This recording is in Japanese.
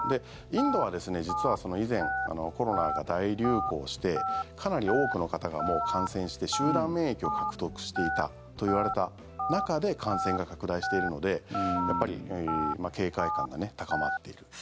インドは実は以前、コロナが大流行してかなり多くの方が感染して集団免疫を獲得していたといわれた中で感染が拡大しているので警戒感が高まっている。